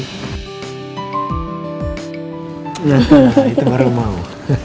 gapalah itu baru mau